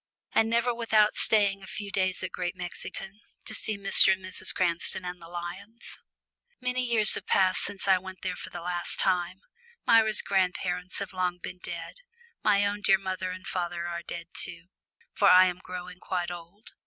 And never without staying a few days at Great Mexington, to see Mr. and Mrs. Cranston and the lions! Many years have passed since I went there for the last time. Myra's grandparents have long been dead my own dear father and mother are dead too, for I am growing quite old.